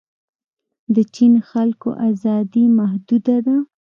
د چین خلکو ازادي محدوده ده.